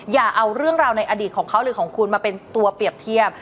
อย่าเอาเรื่องราวในอดีตของเขาหรือของคุณมาเป็นตัวเปรียบเทียบ